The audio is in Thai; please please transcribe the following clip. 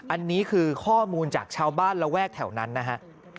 อันนี้คือข้อมูลจากชาวบ้านระแวกแถวนั้นนะฮะ